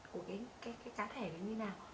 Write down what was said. của cái trá thể nó như thế nào